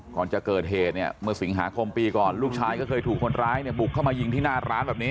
ก่อนจะเกิดเหตุเนี่ยเมื่อสิงหาคมปีก่อนลูกชายก็เคยถูกคนร้ายเนี่ยบุกเข้ามายิงที่หน้าร้านแบบนี้